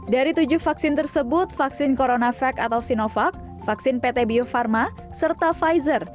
dari tujuh vaksin tersebut vaksin coronavac atau sinovac vaksin pt bio farma serta pfizer